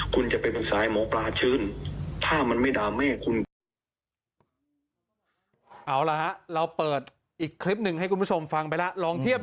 คุณจะไปปรึกษาให้หมอปลาเชิญ